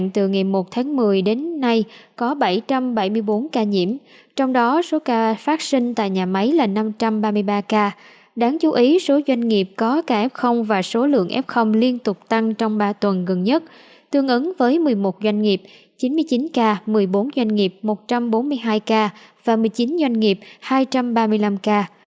tương ứng với một mươi một doanh nghiệp chín mươi chín ca một mươi bốn doanh nghiệp một trăm bốn mươi hai ca và một mươi chín doanh nghiệp hai trăm ba mươi năm ca